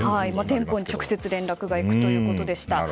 店舗に直接連絡がいくということでした。